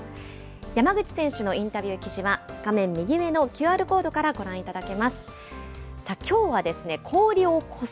山口選手のインタビュー記事は、画面右上のＱＲコードからご覧いただけます。